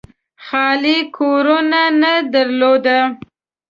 خالي کورنۍ نه درلوده.